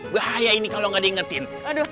bahaya ini kalau nggak diingetin